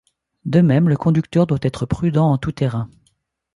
De même le conducteur doit être prudent en tout-terrain.